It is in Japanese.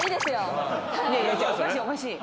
おかしいおかしい。